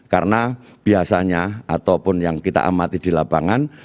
karena biasanya ataupun yang kita amati di lapangan